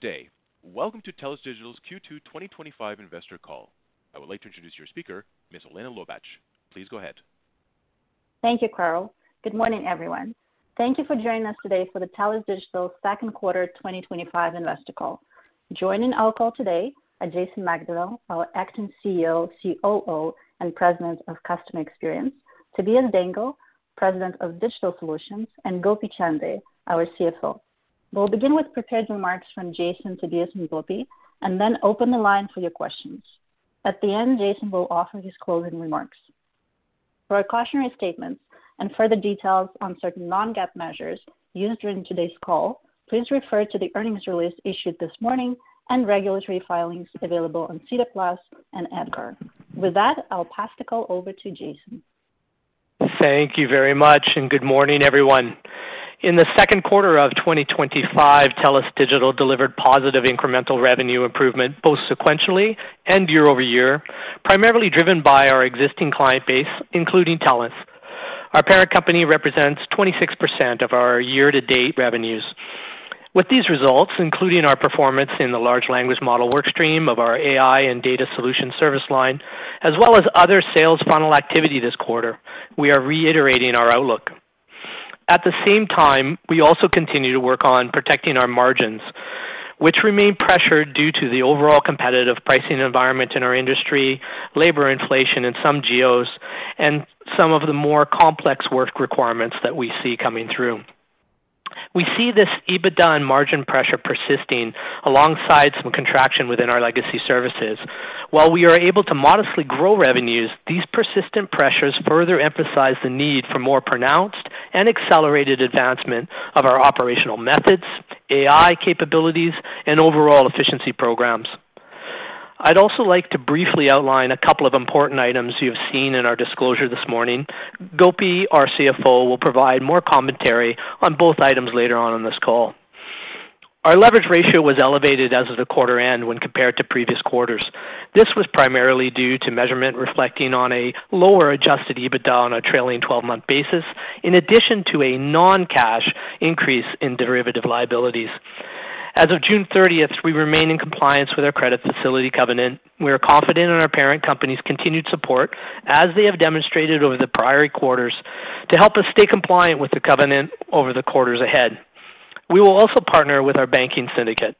Today, welcome to TELUS Digital's Q2 2025 Investor Call. I would like to introduce your speaker, Ms. Olena Lobach. Please go ahead. Thank you, Carl. Good morning, everyone. Thank you for joining us today for the TELUS Digital's second quarter 2025 Investor Call. Joining our call today are Jason Macdonnell, our Acting CEO, COO, and President of Customer Experience; Tobias Dengel, President of Digital Solutions; and Gopi Chande, our CFO. We'll begin with prepared remarks from Jason, Tobias, and Gopi, and then open the line for your questions. At the end, Jason will offer his closing remarks. For a cautionary statement and further details on certain non-GAAP measures used during today's call, please refer to the earnings release issued this morning and regulatory filings available on SEDAR+ and EDGAR. With that, I'll pass the call over to Jason. Thank you very much, and good morning, everyone. In the second quarter of 2025, TELUS Digital delivered positive incremental revenue improvement both sequentially and year-over-year, primarily driven by our existing client base, including TELUS Corporation. Our parent company represents 26% of our year-to-date revenues. With these results, including our performance in the large language model workstream of our AI and data solutions service line, as well as other sales funnel activity this quarter, we are reiterating our outlook. At the same time, we also continue to work on protecting our margins, which remain pressured due to the overall competitive pricing environment in our industry, labor inflation in some geos, and some of the more complex work requirements that we see coming through. We see this adjusted EBITDA and margin pressure persisting alongside some contraction within our legacy services. While we are able to modestly grow revenues, these persistent pressures further emphasize the need for more pronounced and accelerated advancement of our operational methods, AI capabilities, and overall efficiency programs. I'd also like to briefly outline a couple of important items you have seen in our disclosure this morning. Gopi, our CFO, will provide more commentary on both items later on in this call. Our leverage ratio was elevated as of the quarter end when compared to previous quarters. This was primarily due to measurement reflecting on a lower adjusted EBITDA on a trailing 12-month basis, in addition to a non-cash increase in derivative liabilities. As of June 30th, we remain in compliance with our credit facility covenants. We are confident in our parent company's continued support, as they have demonstrated over the prior quarters, to help us stay compliant with the covenants over the quarters ahead. We will also partner with our banking syndicate.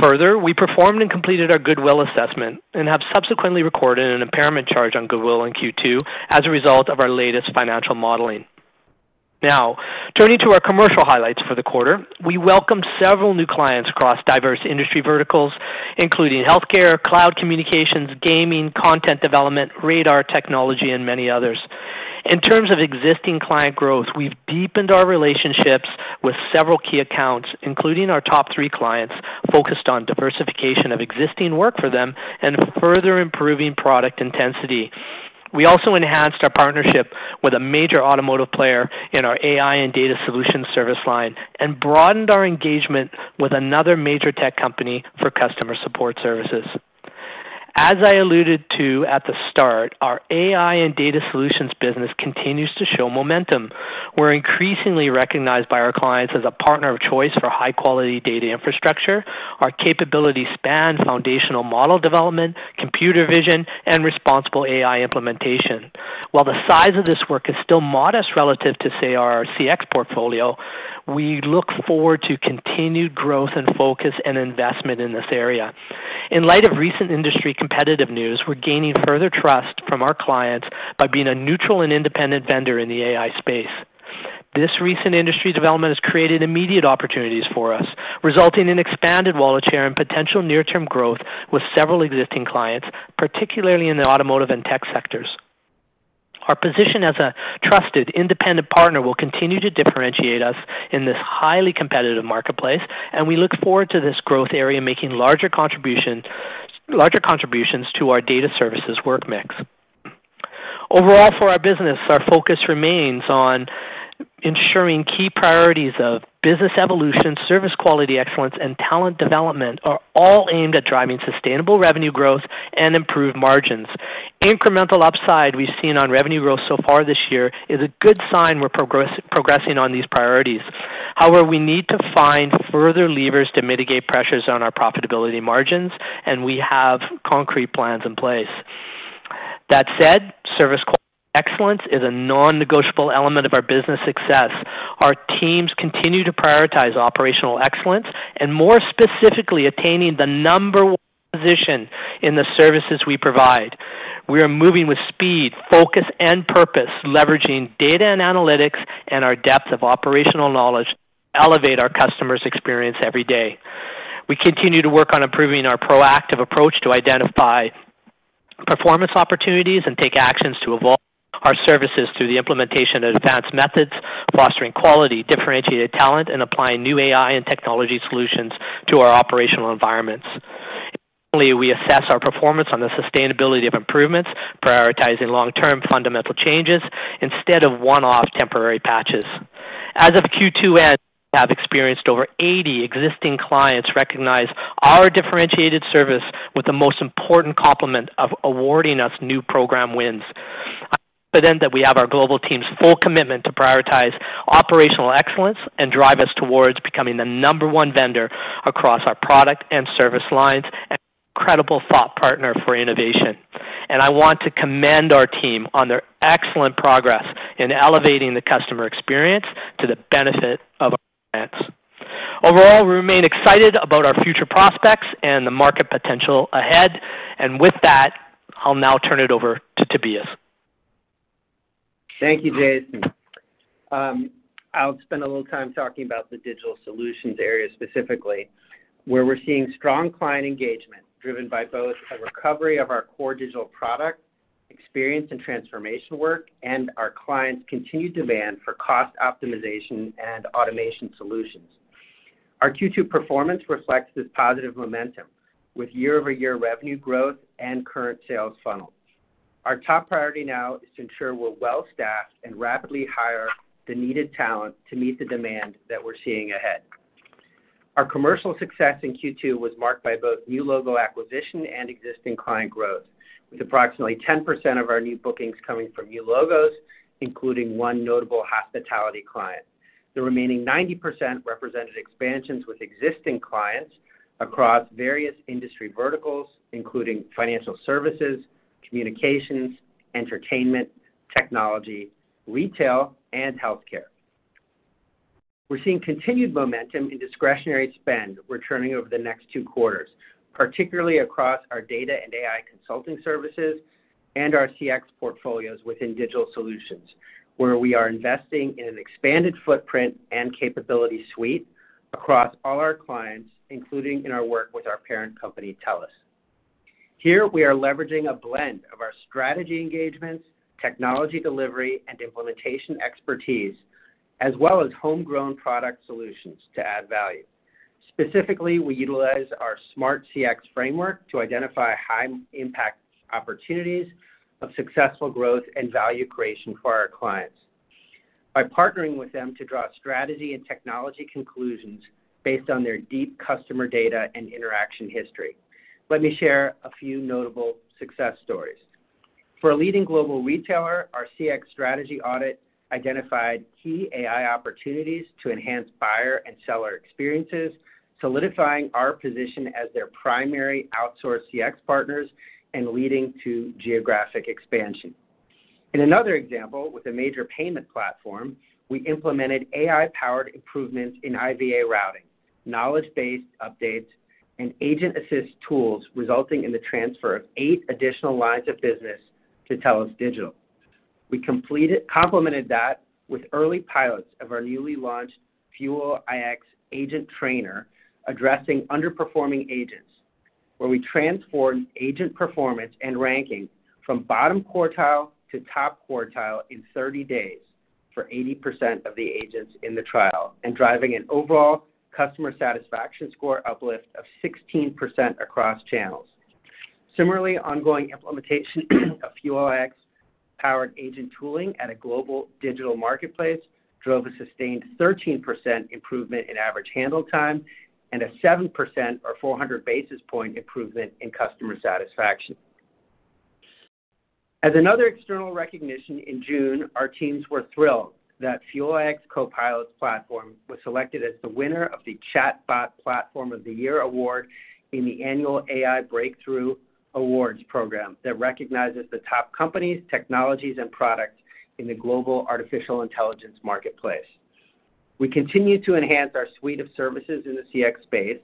Further, we performed and completed our goodwill assessment and have subsequently recorded an impairment charge on goodwill in Q2 as a result of our latest financial modeling. Now, turning to our commercial highlights for the quarter, we welcomed several new clients across diverse industry verticals, including healthcare, cloud communications, gaming, content development, radar technology, and many others. In terms of existing client growth, we've deepened our relationships with several key accounts, including our top three clients, focused on diversification of existing work for them and further improving product intensity. We also enhanced our partnership with a major automotive player in our AI and data solutions service line and broadened our engagement with another major tech company for customer support services. As I alluded to at the start, our AI and data solutions business continues to show momentum. We're increasingly recognized by our clients as a partner of choice for high-quality data infrastructure, our capability span, foundational model development, computer vision, and responsible AI implementation. While the size of this work is still modest relative to, say, our CX portfolio, we look forward to continued growth and focus and investment in this area. In light of recent industry competitive news, we're gaining further trust from our clients by being a neutral and independent vendor in the AI space. This recent industry development has created immediate opportunities for us, resulting in expanded wallet share and potential near-term growth with several existing clients, particularly in the automotive and tech sectors. Our position as a trusted, independent partner will continue to differentiate us in this highly competitive marketplace, and we look forward to this growth area making larger contributions to our data services work mix. Overall, for our business, our focus remains on ensuring key priorities of business evolution, service quality excellence, and talent development are all aimed at driving sustainable revenue growth and improved margins. Incremental upside we've seen on revenue growth so far this year is a good sign we're progressing on these priorities. However, we need to find further levers to mitigate pressures on our profitability margins, and we have concrete plans in place. That said, service quality excellence is a non-negotiable element of our business success. Our teams continue to prioritize operational excellence and more specifically attaining the number one position in the services we provide. We are moving with speed, focus, and purpose, leveraging data and analytics, and our depth of operational knowledge to elevate our customers' experience every day. We continue to work on improving our proactive approach to identify performance opportunities and take actions to evolve our services through the implementation of advanced methods, fostering quality, differentiated talent, and applying new AI and technology solutions to our operational environments. We assess our performance on the sustainability of improvements, prioritizing long-term fundamental changes instead of one-off temporary patches. As of Q2 end, we have experienced over 80 existing clients recognize our differentiated service with the most important compliment of awarding us new program wins. I am confident that we have our global team's full commitment to prioritize operational excellence and drive us towards becoming the number one vendor across our product and service lines and a credible thought partner for innovation. I want to commend our team on their excellent progress in elevating the customer experience to the benefit of our clients. Overall, we remain excited about our future prospects and the market potential ahead. With that, I'll now turn it over to Tobias. Thank you, Jason. I'll spend a little time talking about the Digital Solutions area specifically, where we're seeing strong client engagement driven by both a recovery of our core digital product experience and transformation work and our clients' continued demand for cost optimization and automation solutions. Our Q2 performance reflects this positive momentum with year-over-year revenue growth and current sales funnel. Our top priority now is to ensure we're well-staffed and rapidly hire the needed talent to meet the demand that we're seeing ahead. Our commercial success in Q2 was marked by both new logo acquisition and existing client growth, with approximately 10% of our new bookings coming from new logos, including one notable hospitality client. The remaining 90% represented expansions with existing clients across various industry verticals, including financial services, communications, entertainment, technology, retail, and healthcare. We're seeing continued momentum in discretionary spend returning over the next two quarters, particularly across our data and AI consulting services and our CX portfolios within Digital Solutions, where we are investing in an expanded footprint and capability suite across all our clients, including in our work with our parent company, TELUS. Here, we are leveraging a blend of our strategy engagements, technology delivery, and implementation expertise, as well as homegrown product solutions to add value. Specifically, we utilize our SMART CX framework to identify high-impact opportunities of successful growth and value creation for our clients by partnering with them to draw strategy and technology conclusions based on their deep customer data and interaction history. Let me share a few notable success stories. For a leading global retailer, our CX strategy audit identified key AI opportunities to enhance buyer and seller experiences, solidifying our position as their primary outsourced CX partners and leading to geographic expansion. In another example, with a major payment platform, we implemented AI-powered improvements in IVA routing, knowledge-based updates, and agent assist tools, resulting in the transfer of eight additional lines of business to TELUS Digital. We complemented that with early pilots of our newly launched Fuel IX Agent Trainer, addressing underperforming agents, where we transformed agent performance and ranking from bottom quartile to top quartile in 30 days for 80% of the agents in the trial, and driving an overall customer satisfaction score uplift of 16% across channels. Similarly, ongoing implementation of Fuel IX-powered agent tooling at a global digital marketplace drove a sustained 13% improvement in average handle time and a 7% or 400 basis point improvement in customer satisfaction. As another external recognition in June, our teams were thrilled that Fuel IX Copilot's platform was selected as the winner of the Chatbot Platform of the Year award in the annual AI Breakthrough Awards program that recognizes the top companies, technologies, and products in the global artificial intelligence marketplace. We continue to enhance our suite of services in the CX space,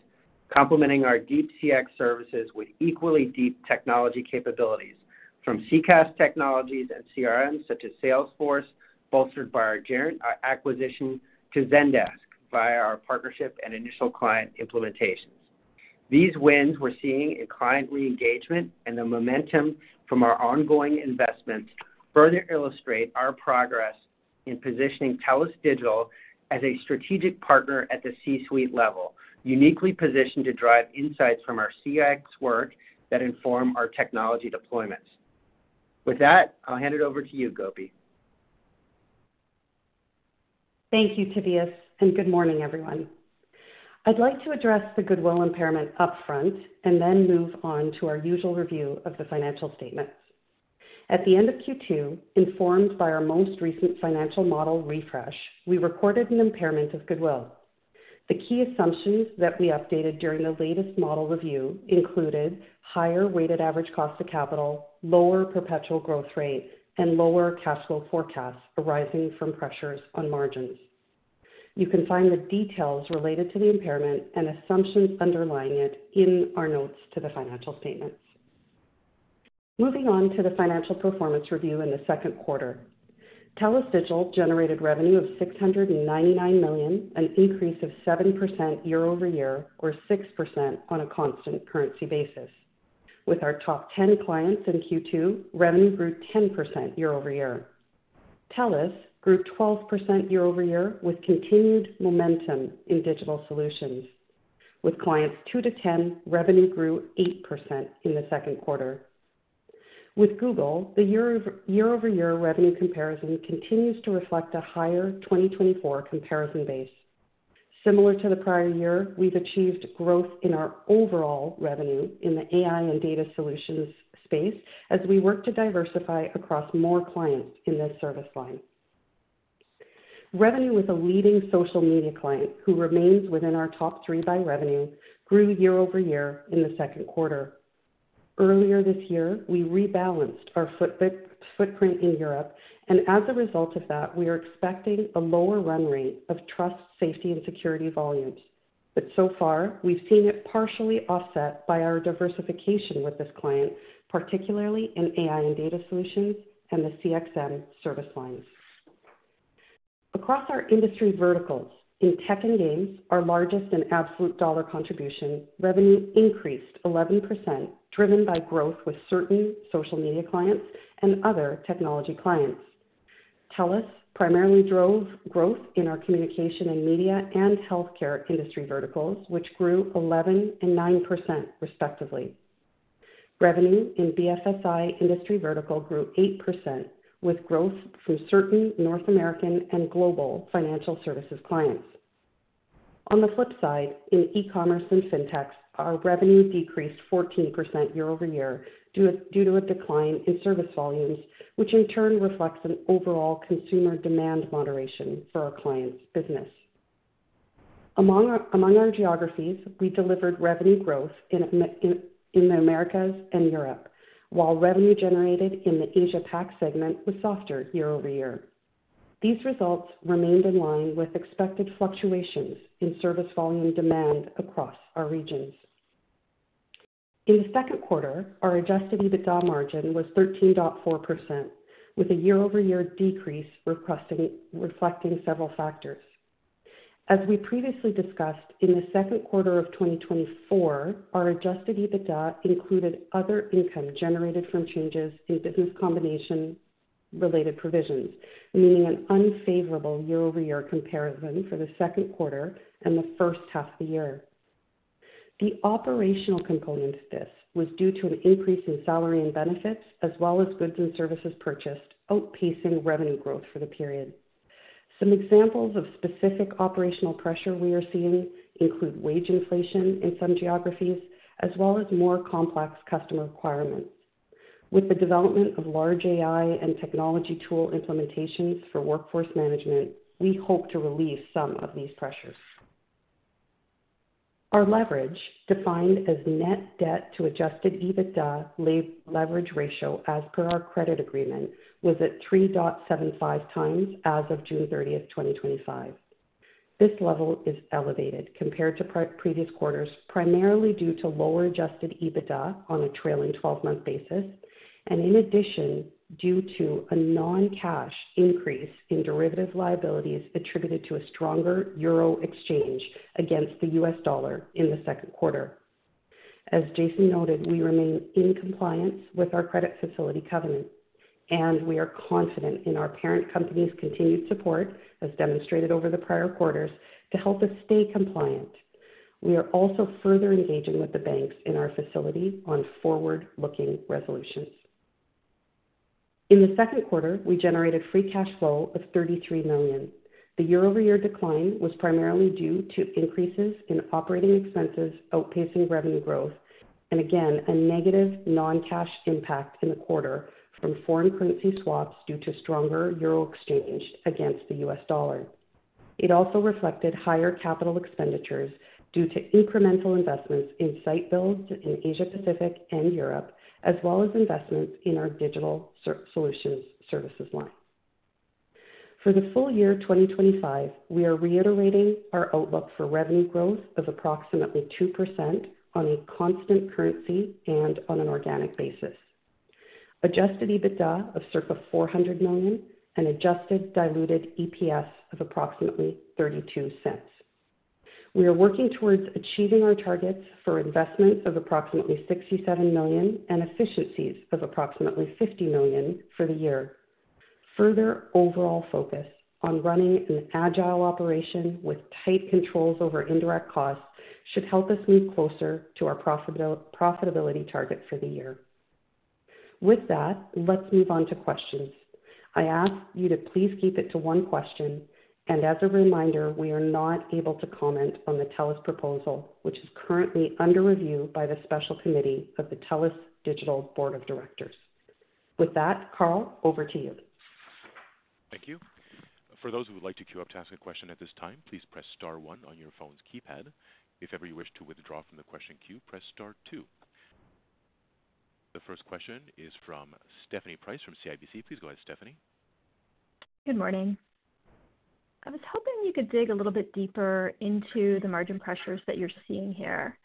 complementing our deep CX services with equally deep technology capabilities from CCaaS technologies and CRMs such as Salesforce, bolstered by our JIRN acquisition, to Zendesk via our partnership and initial client implementation. These wins we're seeing in client re-engagement and the momentum from our ongoing investments further illustrate our progress in positioning TELUS Digital as a strategic partner at the C-suite level, uniquely positioned to drive insights from our CX work that inform our technology deployments. With that, I'll hand it over to you, Gopi. Thank you, Tobias, and good morning, everyone. I'd like to address the goodwill impairment upfront and then move on to our usual review of the financial statements. At the end of Q2, informed by our most recent financial model refresh, we recorded an impairment of goodwill. The key assumptions that we updated during the latest model review included higher weighted average cost of capital, lower perpetual growth rate, and lower cash flow forecasts arising from pressures on margins. You can find the details related to the impairment and assumptions underlying it in our notes to the financial statements. Moving on to the financial performance review in the second quarter, TELUS Digital generated revenue of $699 million, an increase of 7% year-over-year or 6% on a constant currency basis. With our top 10 clients in Q2, revenue grew 10% year-over-year. TELUS grew 12% year-over-year with continued momentum in digital solutions. With clients 2 to 10, revenue grew 8% in the second quarter. With Google, the year-over-year revenue comparison continues to reflect a higher 2024 comparison base. Similar to the prior year, we've achieved growth in our overall revenue in the AI and data solutions space as we work to diversify across more clients in this service line. Revenue with a leading social media client who remains within our top three by revenue grew year-over-year in the second quarter. Earlier this year, we rebalanced our footprint in Europe, and as a result of that, we are expecting a lower run rate of trust, safety, and security volumes. We have seen it partially offset by our diversification with this client, particularly in AI and data solutions and the CX service lines. Across our industry verticals, in tech and games, our largest and absolute dollar contribution, revenue increased 11%, driven by growth with certain social media clients and other technology clients. TELUS primarily drove growth in our communication and media and healthcare industry verticals, which grew 11% and 9% respectively. Revenue in the BFSI industry vertical grew 8% with growth from certain North American and global financial services clients. In e-commerce and fintech, our revenue decreased 14% year-over-year due to a decline in service volumes, which in turn reflects an overall consumer demand moderation for our clients' business. Among our geographies, we delivered revenue growth in the Americas and Europe, while revenue generated in the Asia-Pac segment was softer year-over-year. These results remained in line with expected fluctuations in service volume demand across our regions. In the second quarter, our adjusted EBITDA margin was 13.4%, with a year-over-year decrease reflecting several factors. As we previously discussed, in the second quarter of 2024, our adjusted EBITDA included other income generated from changes in business combination-related provisions, meaning an unfavorable year-over-year comparison for the second quarter and the first half of the year. The operational component of this was due to an increase in salary and benefits, as well as goods and services purchased outpacing revenue growth for the period. Some examples of specific operational pressure we are seeing include wage inflation in some geographies, as well as more complex customer requirements. With the development of large AI and technology tool implementations for workforce management, we hope to relieve some of these pressures. Our leverage, defined as net debt to adjusted EBITDA leverage ratio as per our credit agreement, was at 3.75 times as of June 30th, 2025. This level is elevated compared to previous quarters, primarily due to lower adjusted EBITDA on a trailing 12-month basis, and in addition, due to a non-cash increase in derivative liabilities attributed to a stronger euro exchange against the U.S. dollar in the second quarter. As Jason noted, we remain in compliance with our credit facility covenants, and we are confident in our parent company's continued support, as demonstrated over the prior quarters, to help us stay compliant. We are also further engaging with the banks in our facility on forward-looking resolutions. In the second quarter, we generated free cash flow of $33 million. The year-over-year decline was primarily due to increases in operating expenses outpacing revenue growth, and again, a negative non-cash impact in the quarter from foreign currency swaps due to stronger euro exchange against the U.S. dollar. It also reflected higher capital expenditures due to incremental investments in site builds in Asia-Pacific and Europe, as well as investments in our digital solutions services line. For the full year 2025, we are reiterating our outlook for revenue growth of approximately 2% on a constant currency and on an organic basis. Adjusted EBITDA of circa $400 million and adjusted diluted EPS of approximately $0.32. We are working towards achieving our targets for investment of approximately $67 million and efficiencies of approximately $50 million for the year. Further overall focus on running an agile operation with tight controls over indirect costs should help us move closer to our profitability target for the year. With that, let's move on to questions. I ask you to please keep it to one question, and as a reminder, we are not able to comment on the TELUS proposal, which is currently under review by the special committee of the TELUS Digital Board of Directors. With that, Carl, over to you. Thank you. For those who would like to queue up to ask a question at this time, please press star one on your phone's keypad. If ever you wish to withdraw from the question queue, press star two. The first question is from Stephanie Price from CIBC. Please go ahead, Stephanie. Good morning. I was hoping you could dig a little bit deeper into the margin pressures that you're seeing here.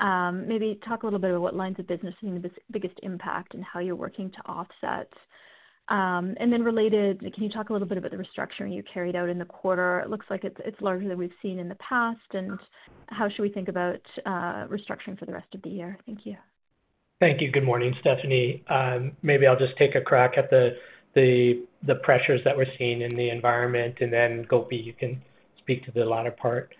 Maybe talk a little bit about what lines of business see the biggest impact and how you're working to offset. Related, can you talk a little bit about the restructuring you carried out in the quarter? It looks like it's larger than we've seen in the past. How should we think about restructuring for the rest of the year? Thank you. Thank you. Good morning, Stephanie. Maybe I'll just take a crack at the pressures that we're seeing in the environment. Gopi, you can speak to the latter part.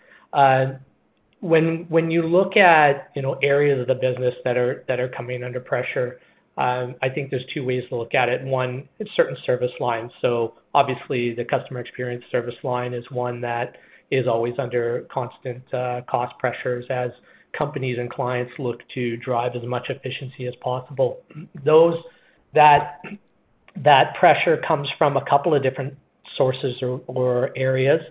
When you look at areas of the business that are coming under pressure, I think there's two ways to look at it. One, it's certain service lines. Obviously, the customer experience service line is one that is always under constant cost pressures as companies and clients look to drive as much efficiency as possible. That pressure comes from a couple of different sources or areas.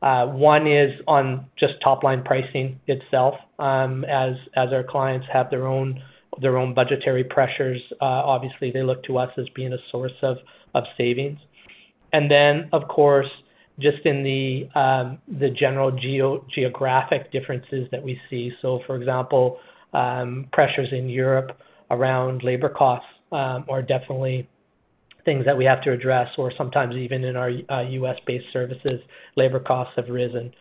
One is on just top-line pricing itself, as our clients have their own budgetary pressures. Obviously, they look to us as being a source of savings. Of course, just in the general geographic differences that we see. For example, pressures in Europe around labor costs are definitely things that we have to address, or sometimes even in our U.S.-based services, labor costs have risen.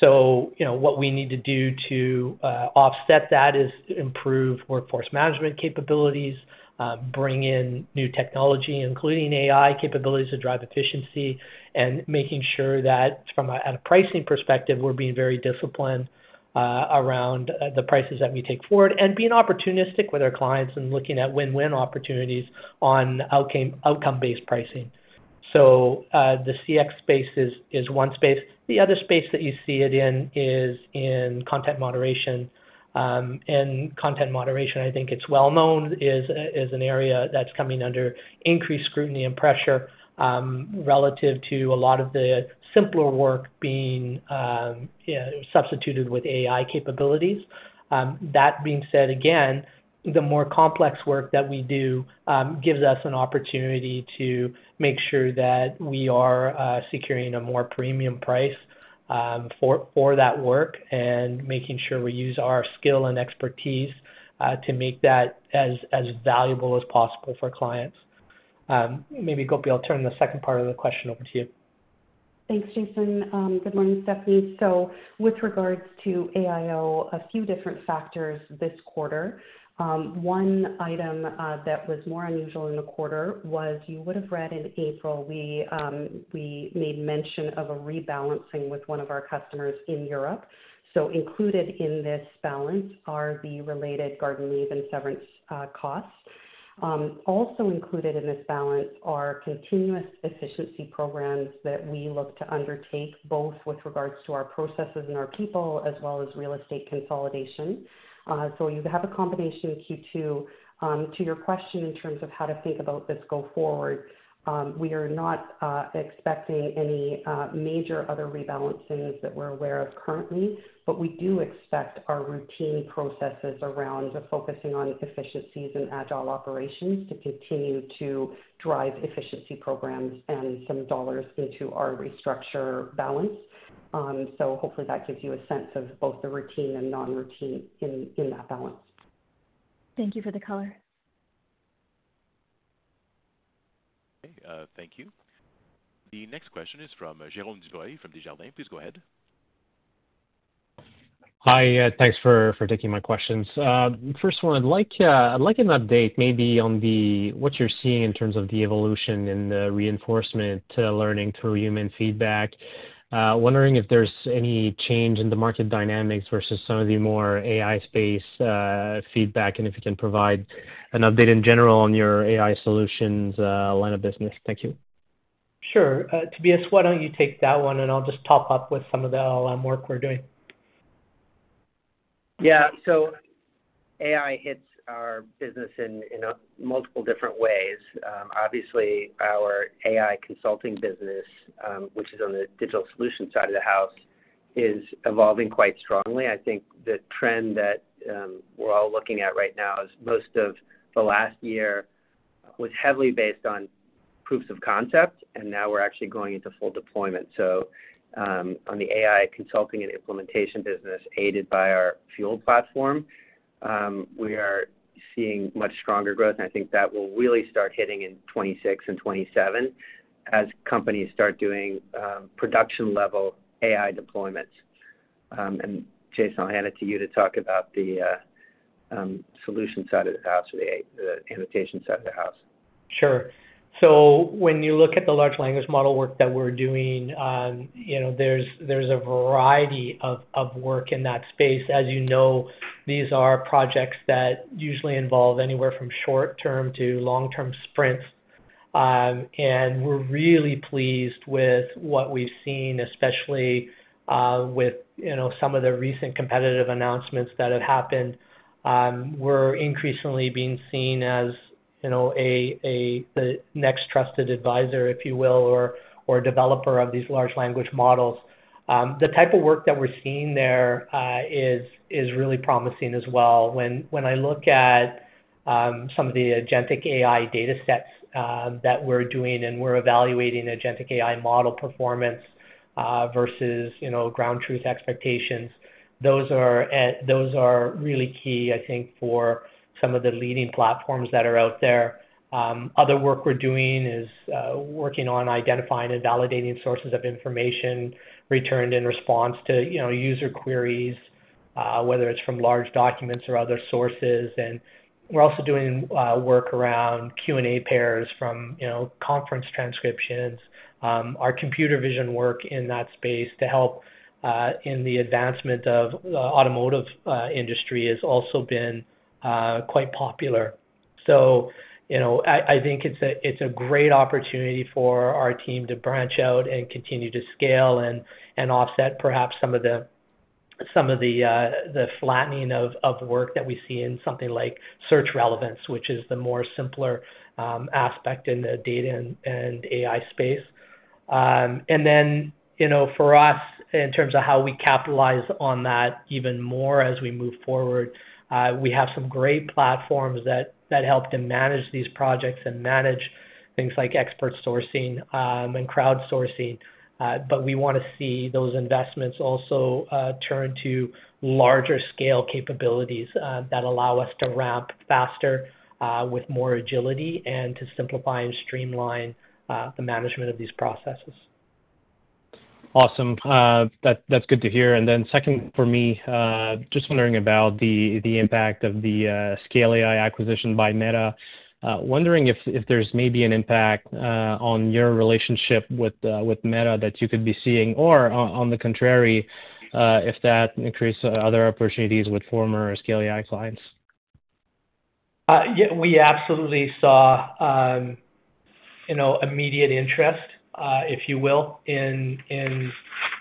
What we need to do to offset that is improve workforce management capabilities, bring in new technology, including AI capabilities to drive efficiency, and make sure that from a pricing perspective, we're being very disciplined around the prices that we take forward and being opportunistic with our clients and looking at win-win opportunities on outcome-based pricing. The CX space is one space. The other space that you see it in is in content moderation. Content moderation, I think it's well known, is an area that's coming under increased scrutiny and pressure relative to a lot of the simpler work being substituted with AI capabilities. That being said, again, the more complex work that we do gives us an opportunity to make sure that we are securing a more premium price for that work and making sure we use our skill and expertise to make that as valuable as possible for clients. Maybe Gopi, I'll turn the second part of the question over to you. Thanks, Jason. Good morning, Stephanie. With regards to AIO, a few different factors this quarter. One item that was more unusual in the quarter was you would have read in April, we made mention of a rebalancing with one of our customers in Europe. Included in this balance are the related garden leave and severance costs. Also included in this balance are continuous efficiency programs that we look to undertake both with regards to our processes and our people, as well as real estate consolidation. You have a combination in Q2. To your question in terms of how to think about this go forward, we are not expecting any major other rebalancings that we're aware of currently, but we do expect our routine processes around focusing on efficiencies and agile operations to continue to drive efficiency programs and some dollars into our restructure balance. Hopefully, that gives you a sense of both the routine and non-routine in that balance. Thank you for the color. Okay. Thank you. The next question is from Jerome Dubreuil from Desjardins. Please go ahead. Hi. Thanks for taking my questions. First one, I'd like an update maybe on what you're seeing in terms of the evolution in the reinforcement learning through human feedback. Wondering if there's any change in the market dynamics versus some of the more AI-based feedback, and if you can provide an update in general on your AI and data solutions line of business. Thank you. Sure. Tobias, why don't you take that one and I'll just top up with some of the work we're doing? Yeah. AI hits our business in multiple different ways. Obviously, our AI consulting business, which is on the Digital Solutions side of the house, is evolving quite strongly. I think the trend that we're all looking at right now is most of the last year was heavily based on proofs of concept, and now we're actually going into full deployment. On the AI consulting and implementation business aided by our Fuel platform, we are seeing much stronger growth, and I think that will really start hitting in 2026 and 2027 as companies start doing production-level AI deployments. Jason, I'll hand it to you to talk about the solution side of the house or the annotation side of the house. Sure. When you look at the large language model work that we're doing, there's a variety of work in that space. As you know, these are projects that usually involve anywhere from short-term to long-term sprints. We're really pleased with what we've seen, especially with some of the recent competitive announcements that have happened. We're increasingly being seen as the next trusted advisor, if you will, or developer of these large language models. The type of work that we're seeing there is really promising as well. When I look at some of the agentic AI datasets that we're doing and we're evaluating agentic AI model performance versus ground truth expectations, those are really key, I think, for some of the leading platforms that are out there. Other work we're doing is working on identifying and validating sources of information returned in response to user queries, whether it's from large documents or other sources. We're also doing work around Q&A pairs from conference transcriptions. Our computer vision work in that space to help in the advancement of the automotive industry has also been quite popular. I think it's a great opportunity for our team to branch out and continue to scale and offset perhaps some of the flattening of work that we see in something like search relevance, which is the more simpler aspect in the data and AI space. For us, in terms of how we capitalize on that even more as we move forward, we have some great platforms that help to manage these projects and manage things like expert sourcing and crowdsourcing. We want to see those investments also turn to larger scale capabilities that allow us to ramp faster with more agility and to simplify and streamline the management of these processes. Awesome. That's good to hear. Second for me, just wondering about the impact of the Scale AI acquisition by Meta. Wondering if there's maybe an impact on your relationship with Meta that you could be seeing, or on the contrary, if that increases other opportunities with former Scale AI clients. We absolutely saw immediate interest, if you will, in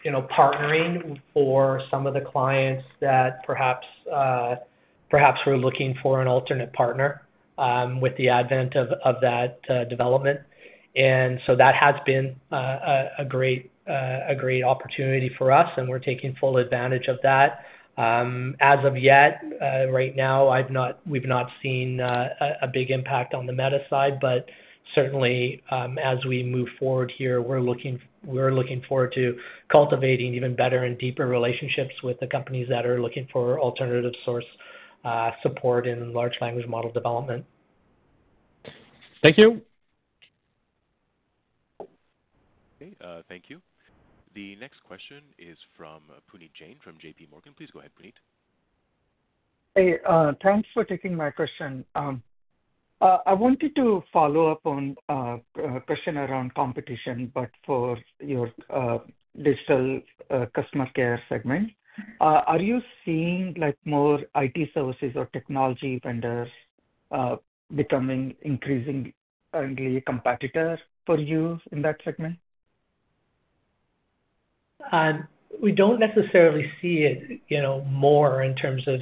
partnering for some of the clients that perhaps were looking for an alternate partner with the advent of that development. That has been a great opportunity for us, and we're taking full advantage of that. As of yet, right now, we've not seen a big impact on the Meta side, but certainly, as we move forward here, we're looking forward to cultivating even better and deeper relationships with the companies that are looking for alternative source support in large language model development. Thank you. Okay. Thank you. The next question is from Puneet Jain from JPMorgan. Please go ahead, Puneet. Hey, thanks for taking my question. I wanted to follow up on a question around competition. For your digital customer care segment, are you seeing more IT services or technology vendors becoming increasingly a competitor for you in that segment? We don't necessarily see it more in terms of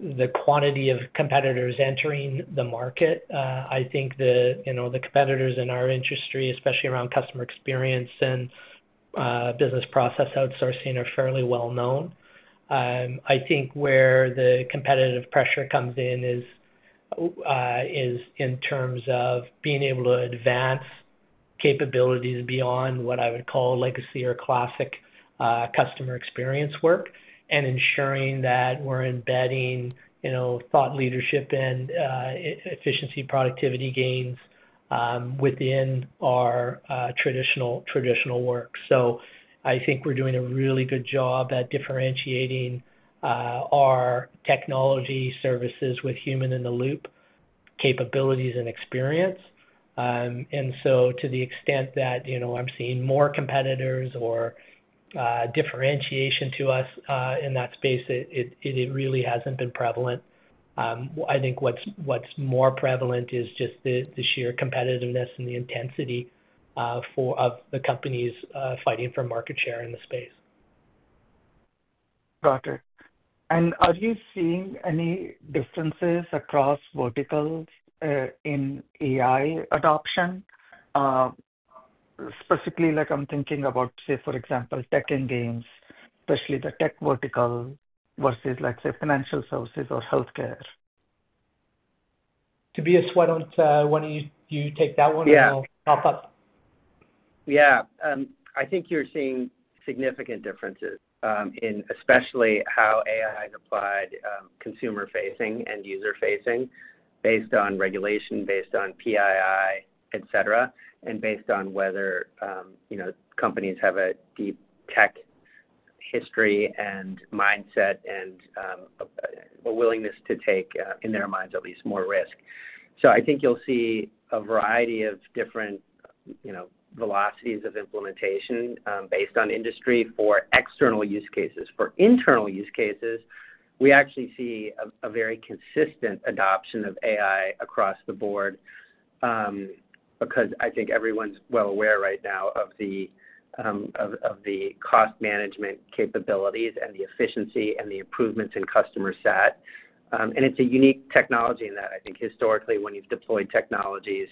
the quantity of competitors entering the market. I think the competitors in our industry, especially around customer experience and business process outsourcing, are fairly well known. Where the competitive pressure comes in is in terms of being able to advance capabilities beyond what I would call legacy or classic customer experience work and ensuring that we're embedding thought leadership and efficiency productivity gains within our traditional work. I think we're doing a really good job at differentiating our technology services with human-in-the-loop capabilities and experience. To the extent that I'm seeing more competitors or differentiation to us in that space, it really hasn't been prevalent. What's more prevalent is just the sheer competitiveness and the intensity of the companies fighting for market share in the space. Got it. Are you seeing any differences across verticals in AI adoption? Specifically, I'm thinking about, for example, tech and games, especially the tech vertical versus, say, financial services or healthcare. Tobias, why don't you take that one and I'll top up? Yeah. I think you're seeing significant differences in especially how AI is applied consumer-facing and user-facing based on regulation, based on PII, etc., and based on whether companies have a deep tech history and mindset and a willingness to take, in their minds at least, more risk. I think you'll see a variety of different velocities of implementation based on industry for external use cases. For internal use cases, we actually see a very consistent adoption of AI across the board because I think everyone's well aware right now of the cost management capabilities and the efficiency and the improvements in customer set. It's a unique technology in that I think historically when you've deployed technologies,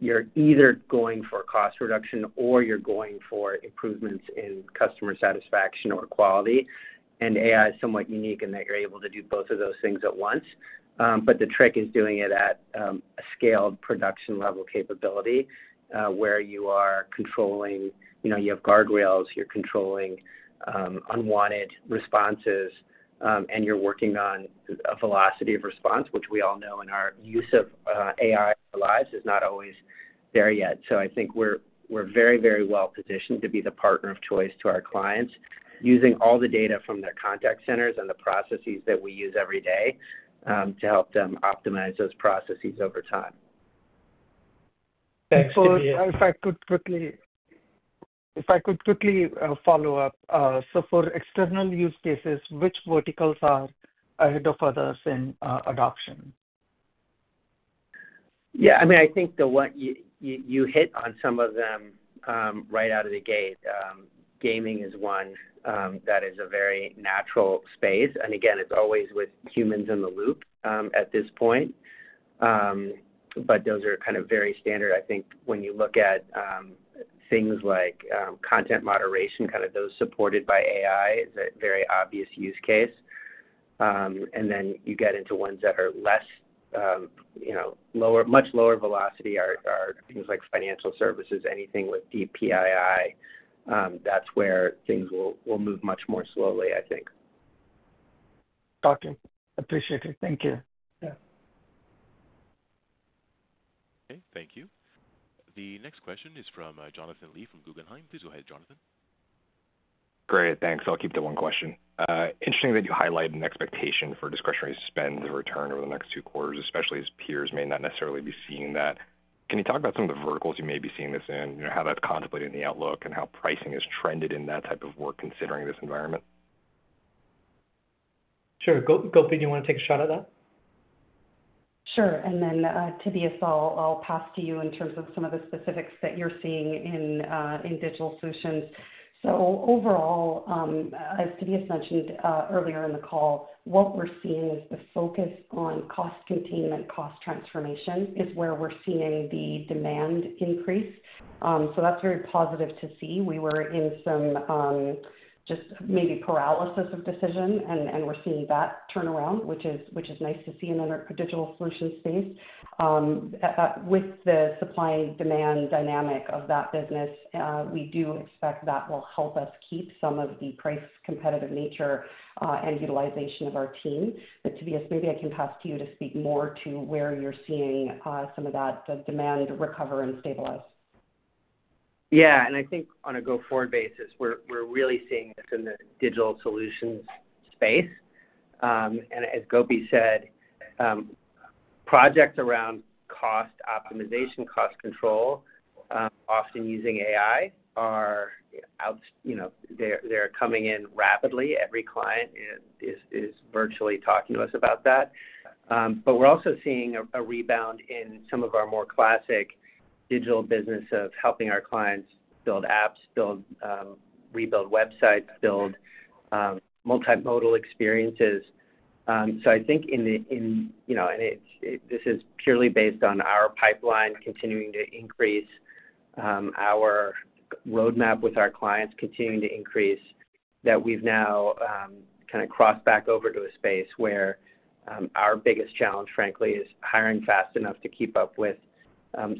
you're either going for cost reduction or you're going for improvements in customer satisfaction or quality. AI is somewhat unique in that you're able to do both of those things at once. The trick is doing it at a scaled production-level capability where you are controlling, you have guardrails, you're controlling unwanted responses, and you're working on a velocity of response, which we all know in our use of AI lives is not always there yet. I think we're very, very well positioned to be the partner of choice to our clients, using all the data from their contact centers and the processes that we use every day to help them optimize those processes over time. Thanks, Tobias. If I could quickly follow up, for external use cases, which verticals are ahead of others in adoption? Yeah, I mean, I think you hit on some of them right out of the gate. Gaming is one that is a very natural space. It's always with humans in the loop at this point, but those are kind of very standard. I think when you look at things like content moderation, those supported by AI, it's a very obvious use case. Then you get into ones that are much lower velocity, like financial services. Anything with deep PII, that's where things will move much more slowly, I think. Got it. Appreciate it. Thank you. Okay. Thank you. The next question is from Jonathan Lee from Guggenheim. Please go ahead, Jonathan. Great, thanks. I'll keep the one question. Interesting that you highlight an expectation for discretionary spend return over the next two quarters, especially as peers may not necessarily be seeing that. Can you talk about some of the verticals you may be seeing this in, how that's contemplated in the outlook, and how pricing has trended in that type of work considering this environment? Sure. Gopi, do you want to take a shot at that? Sure. Tobias, I'll pass to you in terms of some of the specifics that you're seeing in Digital Solutions. Overall, as Tobias mentioned earlier in the call, what we're seeing is the focus on cost containment and cost transformation is where we're seeing the demand increase. That's very positive to see. We were in maybe some paralysis of decision, and we're seeing that turnaround, which is nice to see in the Digital Solutions space. With the supply and demand dynamic of that business, we do expect that will help us keep some of the price competitive nature and utilization of our team. Tobias, maybe I can pass to you to speak more to where you're seeing some of that demand recover and stabilize. Yeah. I think on a go-forward basis, we're really seeing this in the Digital Solutions space. As Gopi said, projects around cost optimization and cost control, often using AI, are coming in rapidly. Every client is virtually talking to us about that. We're also seeing a rebound in some of our more classic digital business of helping our clients build apps, rebuild websites, and build multimodal experiences. I think, and this is purely based on our pipeline continuing to increase, our roadmap with our clients continuing to increase, that we've now kind of crossed back over to a space where our biggest challenge, frankly, is hiring fast enough to keep up with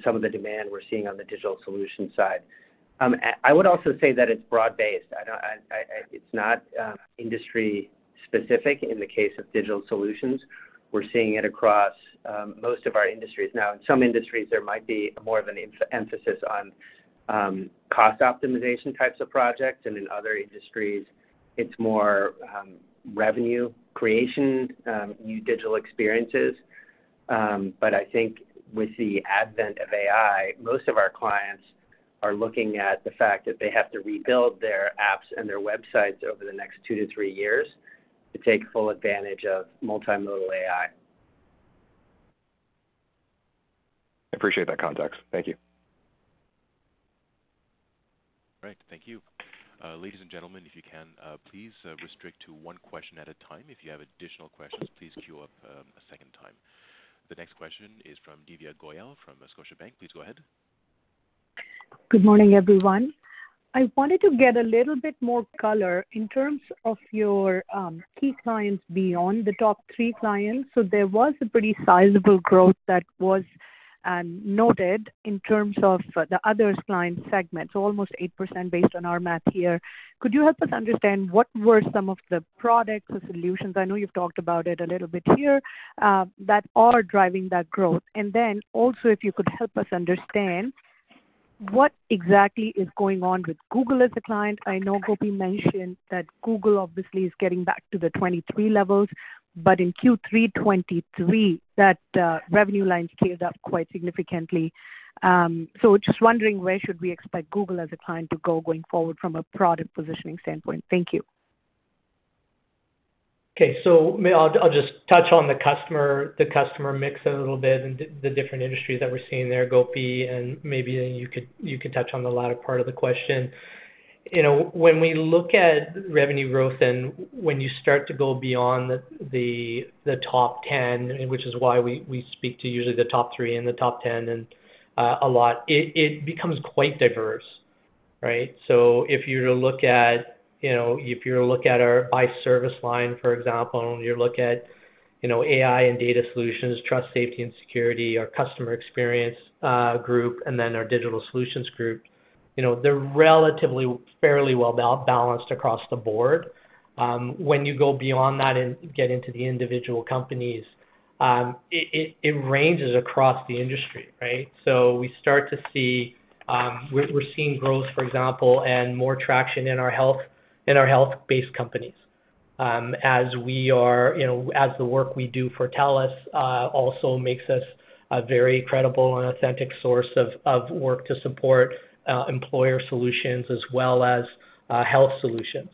some of the demand we're seeing on the Digital Solutions side. I would also say that it's broad-based. It's not industry-specific in the case of Digital Solutions. We're seeing it across most of our industries. In some industries, there might be more of an emphasis on cost optimization types of projects, and in other industries, it's more revenue creation and new digital experiences. I think with the advent of AI, most of our clients are looking at the fact that they have to rebuild their apps and their websites over the next two to three years to take full advantage of multimodal AI. I appreciate that context. Thank you. All right. Thank you. Ladies and gentlemen, if you can, please restrict to one question at a time. If you have additional questions, please queue up a second time. The next question is from Divya Goyal from Scotiabank. Please go ahead. Good morning, everyone. I wanted to get a little bit more color in terms of your key clients beyond the top three clients. There was a pretty sizable growth that was noted in terms of the other client segments, almost 8% based on our math here. Could you help us understand what were some of the products or solutions? I know you've talked about it a little bit here that are driving that growth. Also, if you could help us understand what exactly is going on with Google as a client. I know Gopi mentioned that Google obviously is getting back to the 2023 levels, but in Q3 2023, that revenue line scaled up quite significantly. Just wondering where should we expect Google as a client to go going forward from a product positioning standpoint. Thank you. Okay. I'll just touch on the customer mix a little bit and the different industries that we're seeing there, Gopi, and maybe you could touch on the latter part of the question. You know, when we look at revenue growth and when you start to go beyond the top 10, which is why we speak to usually the top 3 and the top 10 a lot, it becomes quite diverse, right? If you were to look at our by service line, for example, you look at AI and data solutions, trust, safety, and security, our Customer Experience group, and then our Digital Solutions group, they're relatively fairly well balanced across the board. When you go beyond that and get into the individual companies, it ranges across the industry, right? We start to see, we're seeing growth, for example, and more traction in our health-based companies as we are, as the work we do for TELUS also makes us a very credible and authentic source of work to support employer solutions as well as health solutions.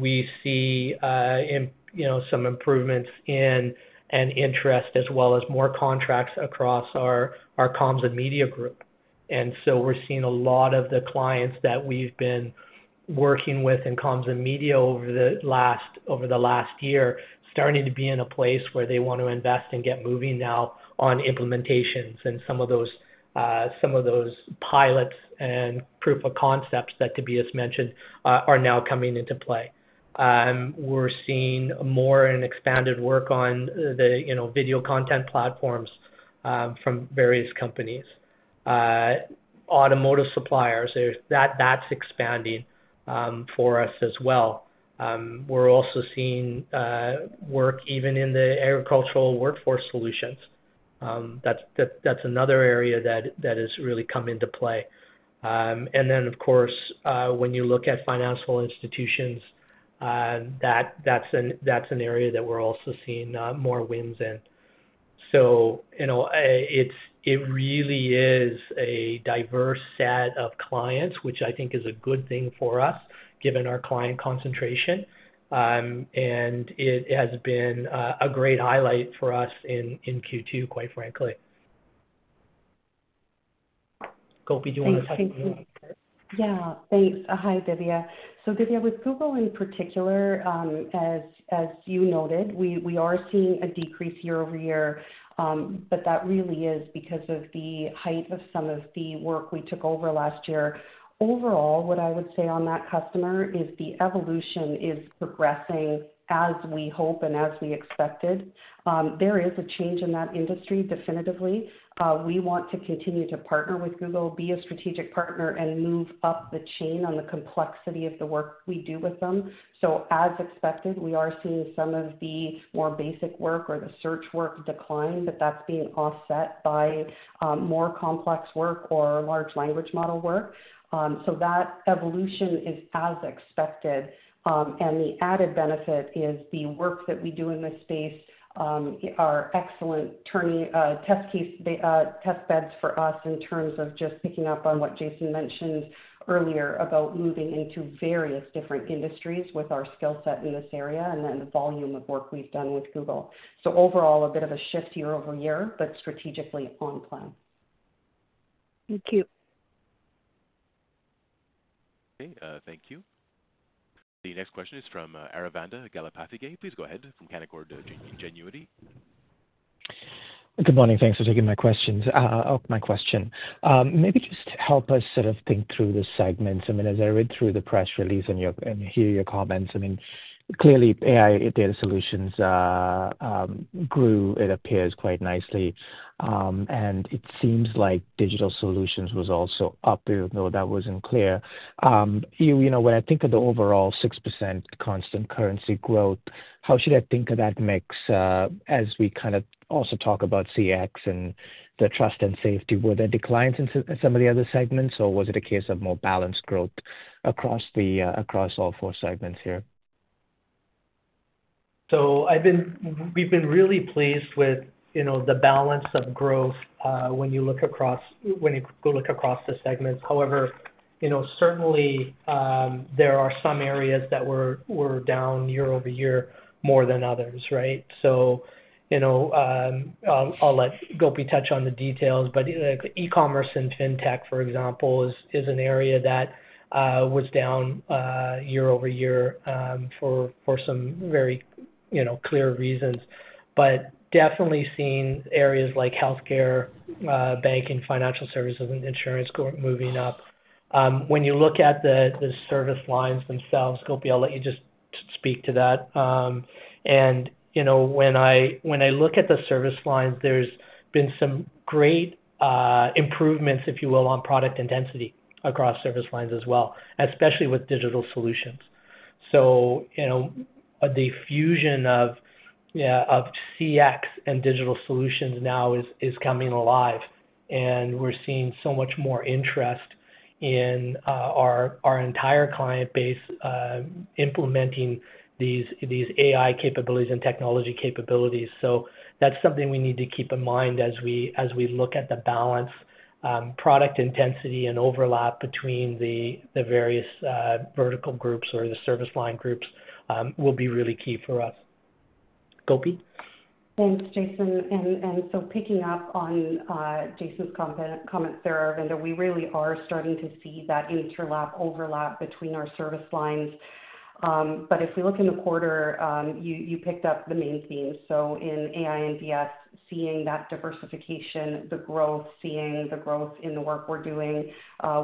We see some improvements in and interest as well as more contracts across our comms and media group. We're seeing a lot of the clients that we've been working with in comms and media over the last year, starting to be in a place where they want to invest and get moving now on implementations, and some of those pilots and proof of concepts that Tobias mentioned are now coming into play. We're seeing more and expanded work on the video content platforms from various companies. Automotive suppliers, that's expanding for us as well. We're also seeing work even in the agricultural workforce solutions. That's another area that has really come into play. Of course, when you look at financial institutions, that's an area that we're also seeing more wins in. It really is a diverse set of clients, which I think is a good thing for us given our client concentration. It has been a great highlight for us in Q2, quite frankly. Gopi, do you want to touch on that? Yeah. Hi, Divya. Divya, with Google in particular, as you noted, we are seeing a decrease year over year, but that really is because of the height of some of the work we took over last year. Overall, what I would say on that customer is the evolution is progressing as we hope and as we expected. There is a change in that industry definitively. We want to continue to partner with Google, be a strategic partner, and move up the chain on the complexity of the work we do with them. As expected, we are seeing some of the more basic work or the search work decline, but that's being offset by more complex work or large language model work. That evolution is as expected. The added benefit is the work that we do in this space are excellent test beds for us in terms of just picking up on what Jason mentioned earlier about moving into various different industries with our skill set in this area and then the volume of work we've done with Google. Overall, a bit of a shift year over year, but strategically on plan. Thank you. Okay. Thank you. The next question is from Aravinda Galappatthige. Please go ahead from Canaccord Genuity. Good morning. Thanks for taking my questions. My question, maybe just help us sort of think through the segments. As I read through the press release and hear your comments, clearly, AI and data solutions grew, it appears quite nicely. It seems like Digital Solutions was also up, even though that wasn't clear. When I think of the overall 6% constant currency growth, how should I think of that mix as we kind of also talk about customer experience and the trust and safety? Were there declines in some of the other segments, or was it a case of more balanced growth across all four segments here? We've been really pleased with the balance of growth when you look across the segments. However, certainly, there are some areas that were down year over year more than others, right? I'll let Gopi touch on the details, but e-commerce and fintech, for example, is an area that was down year over year for some very clear reasons. Definitely seeing areas like healthcare, banking, financial services, and insurance going up. When you look at the service lines themselves, Gopi, I'll let you just speak to that. When I look at the service lines, there's been some great improvements, if you will, on product intensity across service lines as well, especially with Digital Solutions. The fusion of CX and Digital Solutions now is coming alive. We're seeing so much more interest in our entire client base implementing these AI capabilities and technology capabilities. That's something we need to keep in mind as we look at the balance. Product intensity and overlap between the various vertical groups or the service line groups will be really key for us. Gopi? Thanks, Jason. Picking up on Jason's comment there, Aravinda, we really are starting to see that overlap between our service lines. If we look in the quarter, you picked up the main themes. In AI and data solutions, seeing that diversification, the growth, seeing the growth in the work we're doing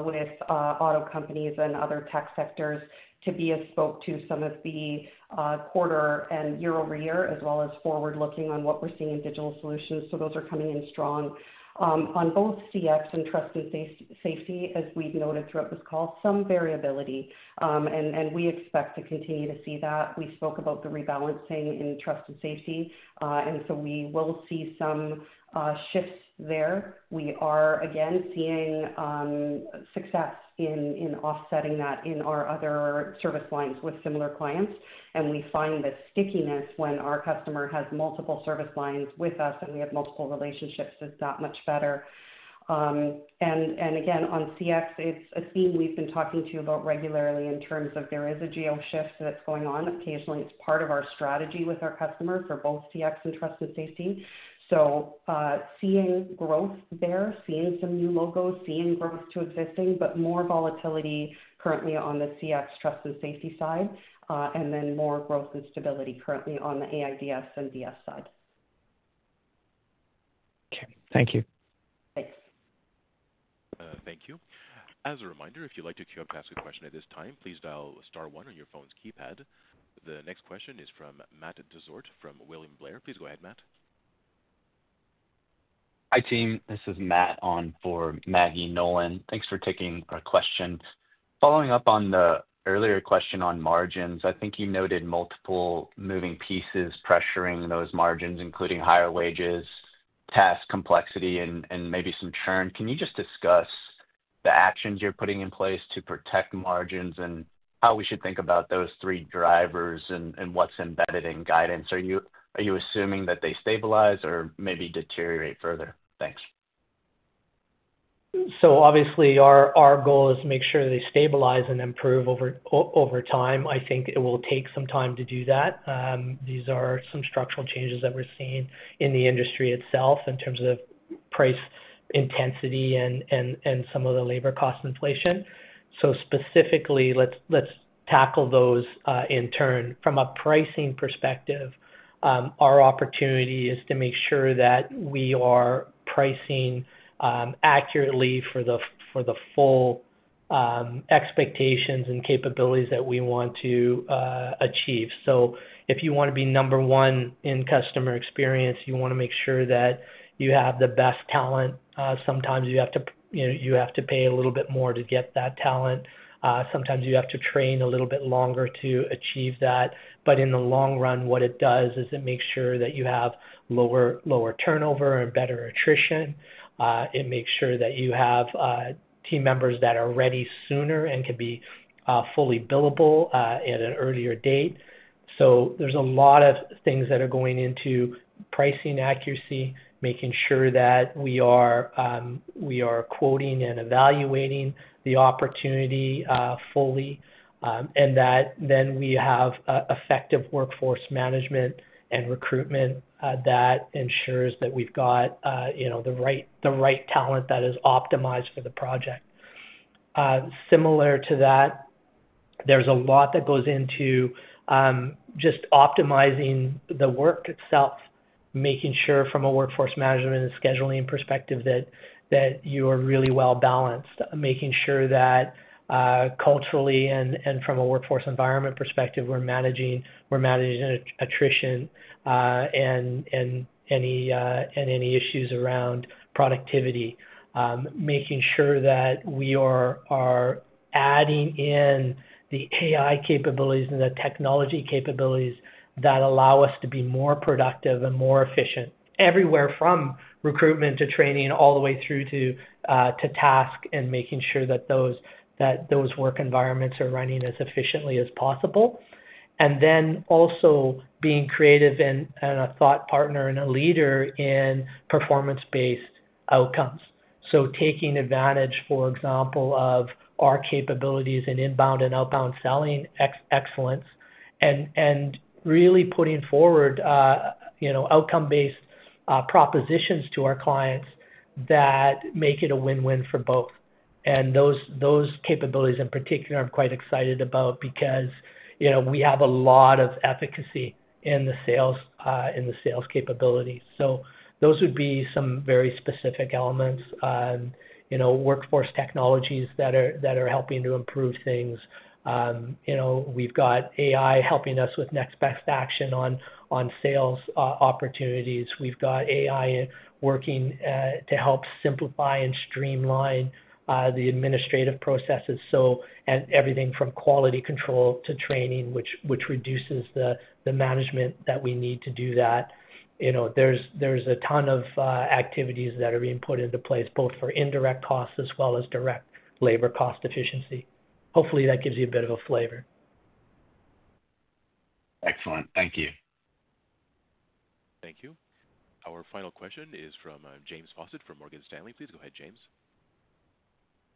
with auto companies and other tech sectors, Tobias spoke to some of the quarter and year over year, as well as forward looking on what we're seeing in digital solutions. Those are coming in strong. On both customer experience and trust and safety, as we've noted throughout this call, some variability, and we expect to continue to see that. We spoke about the rebalancing in trust and safety, and we will see some shifts there. We are again seeing success in offsetting that in our other service lines with similar clients. We find that stickiness when our customer has multiple service lines with us and we have multiple relationships is that much better. Again, on customer experience, it's a theme we've been talking to you about regularly in terms of there is a geo shift that's going on. Occasionally, it's part of our strategy with our customers for both customer experience and trust and safety. Seeing growth there, seeing some new logos, seeing growth to existing, but more volatility currently on the customer experience and trust and safety side, and then more growth and stability currently on the AI and data side. Okay, thank you. Thanks. Thank you. As a reminder, if you'd like to queue up to ask a question at this time, please dial star one on your phone's keypad. The next question is from Matt Dezort from William Blair. Please go ahead, Matt. Hi, team. This is Matt on for Maggie Nolan. Thanks for taking our questions. Following up on the earlier question on margins, I think you noted multiple moving pieces pressuring those margins, including higher wages, task complexity, and maybe some churn. Can you just discuss the actions you're putting in place to protect margins and how we should think about those three drivers and what's embedded in guidance? Are you assuming that they stabilize or maybe deteriorate further? Thanks. Obviously, our goal is to make sure they stabilize and improve over time. I think it will take some time to do that. These are some structural changes that we're seeing in the industry itself in terms of price intensity and some of the labor cost inflation. Specifically, let's tackle those in turn. From a pricing perspective, our opportunity is to make sure that we are pricing accurately for the full expectations and capabilities that we want to achieve. If you want to be number one in customer experience, you want to make sure that you have the best talent. Sometimes you have to pay a little bit more to get that talent. Sometimes you have to train a little bit longer to achieve that. In the long run, what it does is it makes sure that you have lower turnover and better attrition. It makes sure that you have team members that are ready sooner and can be fully billable at an earlier date. There are a lot of things that are going into pricing accuracy, making sure that we are quoting and evaluating the opportunity fully, and that then we have effective workforce management and recruitment that ensures that we've got the right talent that is optimized for the project. Similar to that, there's a lot that goes into just optimizing the work itself, making sure from a workforce management and scheduling perspective that you are really well balanced, making sure that culturally and from a workforce environment perspective, we're managing attrition and any issues around productivity, making sure that we are adding in the AI capabilities and the technology capabilities that allow us to be more productive and more efficient everywhere from recruitment to training all the way through to task and making sure that those work environments are running as efficiently as possible. Also, being creative and a thought partner and a leader in performance-based outcomes. Taking advantage, for example, of our capabilities in inbound and outbound selling excellence and really putting forward outcome-based propositions to our clients that make it a win-win for both. Those capabilities in particular I'm quite excited about because we have a lot of efficacy in the sales capabilities. Those would be some very specific elements on workforce technologies that are helping to improve things. We've got AI helping us with next best action on sales opportunities. We've got AI working to help simplify and streamline the administrative processes. Everything from quality control to training, which reduces the management that we need to do that. There are a ton of activities that are being put into place both for indirect costs as well as direct labor cost efficiency. Hopefully, that gives you a bit of a flavor. Excellent. Thank you. Thank you. Our final question is from James Faucette from Morgan Stanley. Please go ahead, James.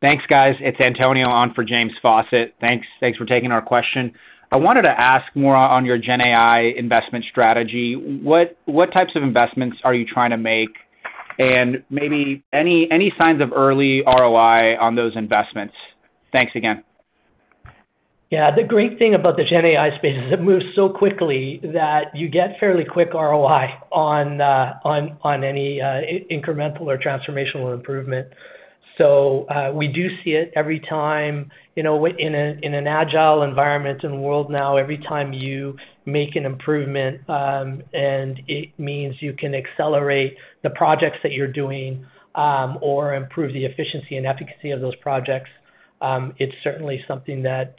Thanks, guys. It's Antonio on for James Faucette. Thanks for taking our question. I wanted to ask more on your GenAI investment strategy. What types of investments are you trying to make, and maybe any signs of early ROI on those investments? Thanks again. Yeah. The great thing about the GenAI space is it moves so quickly that you get fairly quick ROI on any incremental or transformational improvement. We do see it every time in an agile environment and world now. Every time you make an improvement, it means you can accelerate the projects that you're doing or improve the efficiency and efficacy of those projects. It's certainly something that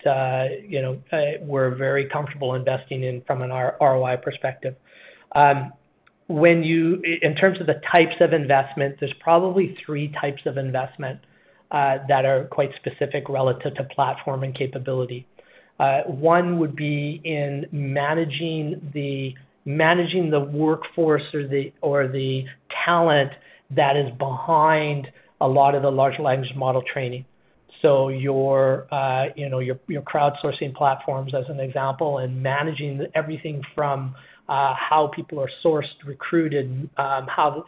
we're very comfortable investing in from an ROI perspective. In terms of the types of investment, there's probably three types of investment that are quite specific relative to platform and capability. One would be in managing the workforce or the talent that is behind a lot of the large language model training. Your crowdsourcing platforms as an example and managing everything from how people are sourced, recruited, how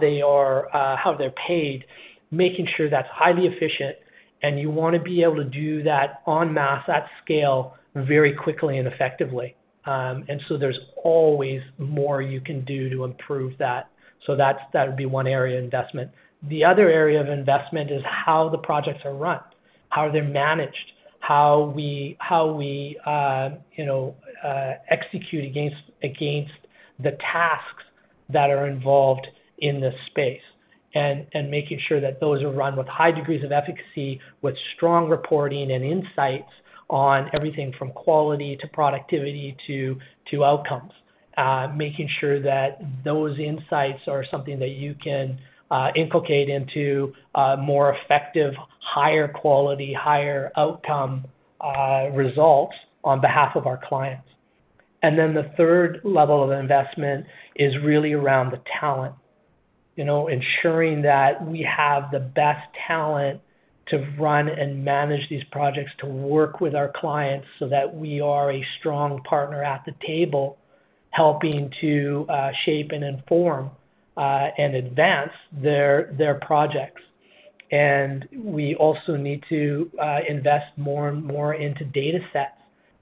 they're paid, making sure that's highly efficient. You want to be able to do that en masse at scale very quickly and effectively. There is always more you can do to improve that. That would be one area of investment. The other area of investment is how the projects are run, how they're managed, how we execute against the tasks that are involved in this space, and making sure that those are run with high degrees of efficacy, with strong reporting and insights on everything from quality to productivity to outcomes, making sure that those insights are something that you can inculcate into more effective, higher quality, higher outcome results on behalf of our clients. The third level of investment is really around the talent, ensuring that we have the best talent to run and manage these projects, to work with our clients so that we are a strong partner at the table helping to shape and inform and advance their projects. We also need to invest more and more into datasets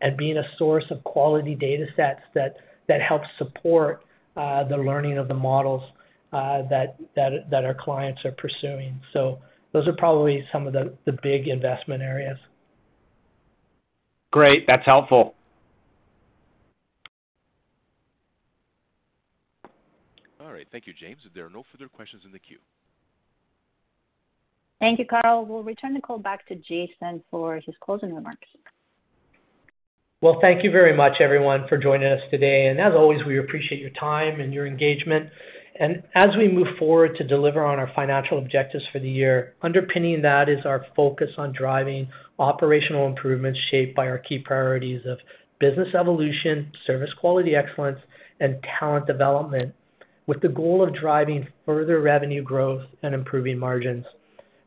and being a source of quality datasets that help support the learning of the models that our clients are pursuing. Those are probably some of the big investment areas. Great, that's helpful. All right. Thank you, James. There are no further questions in the queue. Thank you, Carl. We'll return the call back to Jason for his closing remarks. Thank you very much, everyone, for joining us today. As always, we appreciate your time and your engagement. As we move forward to deliver on our financial objectives for the year, underpinning that is our focus on driving operational improvements shaped by our key priorities of business evolution, service quality excellence, and talent development, with the goal of driving further revenue growth and improving margins.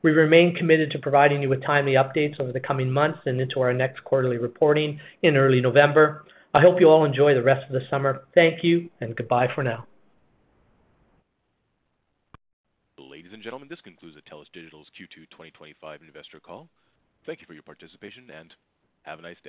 We remain committed to providing you with timely updates over the coming months and into our next quarterly reporting in early November. I hope you all enjoy the rest of the summer. Thank you and goodbye for now. Ladies and gentlemen, this concludes the TELUS Digital's Q2 2025 investor call. Thank you for your participation and have a nice day.